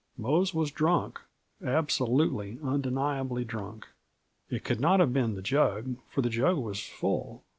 Mose was drunk; absolutely, undeniably drunk. It could not have been the jug, for the jug was full.